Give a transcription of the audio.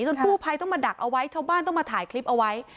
กู้ภัยต้องมาดักเอาไว้ชาวบ้านต้องมาถ่ายคลิปเอาไว้